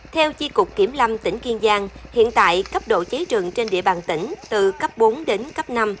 theo tri cục kiểm lâm tỉnh kiên giang hiện tại cấp độ cháy rừng trên địa bàn tỉnh từ cấp bốn đến cấp năm